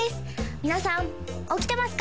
皆さん起きてますか？